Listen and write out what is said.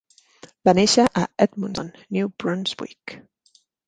Va néixer a Edmundston, New Brunswick.